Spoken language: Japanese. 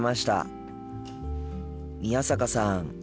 宮坂さん